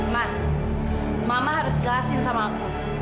mak mama harus jelasin sama aku